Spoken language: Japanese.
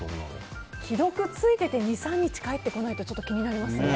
既読ついていて、２３日返ってこないと気になりますね。